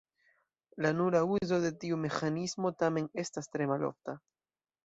La nura uzo de tiu meĥanismo tamen estas tre malofta.